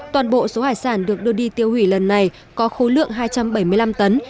toàn bộ số hải sản được đưa đi tiêu hủy lần này có khối lượng hai trăm bảy mươi năm tấn